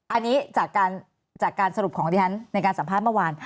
อันนี้จากการสรุปของที่ฉันในการสัมภาษณ์เมื่อวาน